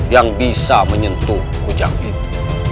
yang bisa menyentuh ujang itu